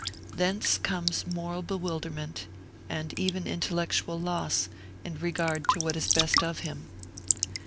Thence comes moral bewilderment, and even intellectual loss, in regard to what is best of him.